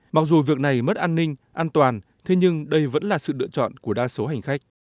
mặc dù việc này mất an ninh an toàn thế nhưng đây vẫn là sự lựa chọn của đa số hành khách